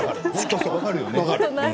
分かる。